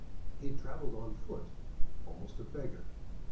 He had travelled on foot, almost a beggar.